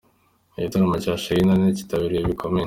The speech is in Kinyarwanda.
Igitaramo cya Charly na Nina cyaritabiriwe bikomeye.